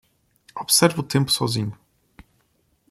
Observe o tempo sozinho